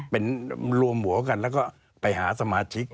เป็นรวมหัวกันแล้วก็ไปหาสมาชิก